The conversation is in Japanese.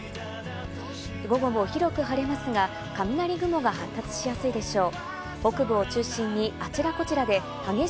午後も広く晴れますが、雷雲が発達しやすいでしょう。